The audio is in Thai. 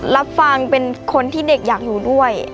รับฟังเป็นคนที่เด็กอยากอยู่ด้วย